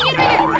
apa lah deh